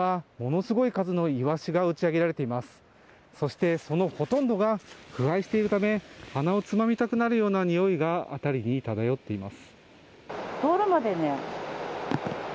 そしてそのほとんどが腐敗しているため鼻をつまみたくなるような臭いが辺りに漂っています。